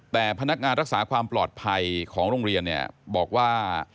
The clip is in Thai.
แต่พนักงานรักษาความปลอดภัยของโรงเรียนเนี่ยบอกว่า